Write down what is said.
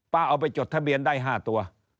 เอาไปจดทะเบียนได้๕ตัว